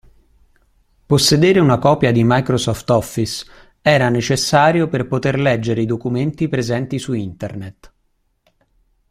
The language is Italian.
Possedere una copia di Microsoft Office era necessario per poter leggere i documenti presenti su internet.